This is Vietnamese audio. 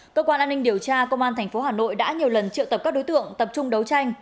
cơ quan an ninh điều tra công an tp hà nội đã nhiều lần triệu tập các đối tượng tập trung đấu tranh